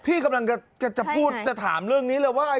พี่กำลังจะพูดจะถามเรื่องนี้เลยว่า